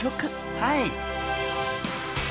はい］